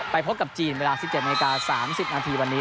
พบกับจีนเวลา๑๗นาที๓๐นาทีวันนี้